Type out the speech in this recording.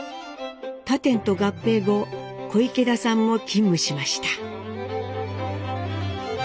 他店と合併後小池田さんも勤務しました。